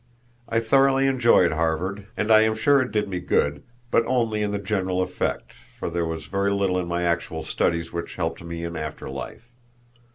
I thoroughly enjoyed Harvard, and I am sure it did me good, but only in the general effect, for there was very little in my actual studies which helped me in after life.